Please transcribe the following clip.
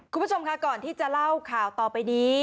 คุณผู้ชมค่ะก่อนที่จะเล่าข่าวต่อไปนี้